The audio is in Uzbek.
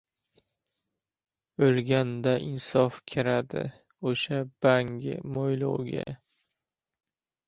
— O‘lganda insof kiradi, o‘sha bangi mo‘ylovga.